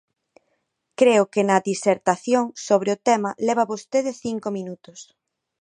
Creo que na disertación sobre o tema leva vostede cinco minutos.